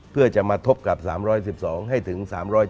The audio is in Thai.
เพื่อจะมาทบกับ๓๑๒ให้ถึง๓๗